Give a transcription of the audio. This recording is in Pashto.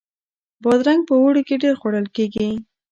بادرنګ په اوړي کې ډیر خوړل کیږي